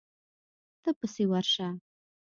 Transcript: ته پسې ورشه.